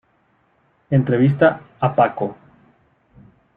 Entrevista a Paco